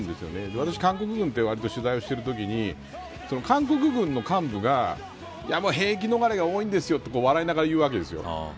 私、韓国軍ってわりと取材をしてるときに韓国軍の幹部が兵役逃れが多いんですよって笑いながら言うわけです。